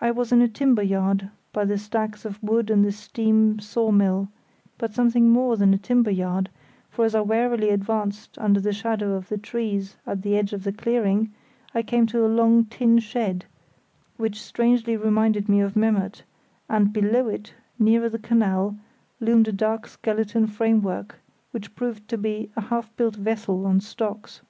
I was in a timber yard, by the stacks of wood and the steam saw mill; but something more than a timber yard, for as I warily advanced under the shadow of the trees at the edge of the clearing I came to a long tin shed which strangely reminded me of Memmert, and below it, nearer the canal, loomed a dark skeleton framework, which proved to be a half built vessel on stocks.